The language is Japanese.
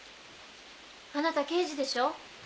あなた刑事でしょう？